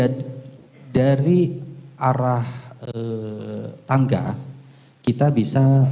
ya dari arah tangga kita bisa